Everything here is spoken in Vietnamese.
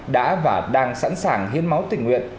đã và đang sẵn sàng hiến máu tình nguyện